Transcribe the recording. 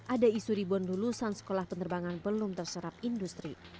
ada isu ribuan lulusan sekolah penerbangan belum terserap industri